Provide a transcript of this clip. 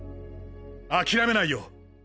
諦めないよ。